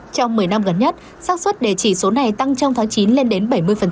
trong một mươi năm gần nhất sát xuất đề chỉ số này tăng trong tháng chín lên đến bảy mươi